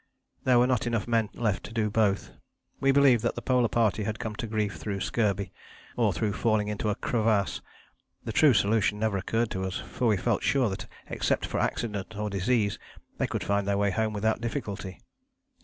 There were not enough men left to do both. We believed that the Polar Party had come to grief through scurvy, or through falling into a crevasse the true solution never occurred to us, for we felt sure that except for accident or disease they could find their way home without difficulty.